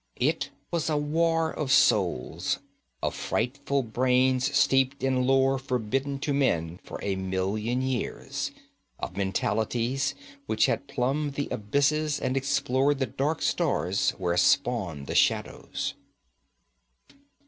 It was a war of souls, of frightful brains steeped in lore forbidden to men for a million years, of mentalities which had plumbed the abysses and explored the dark stars where spawn the shadows.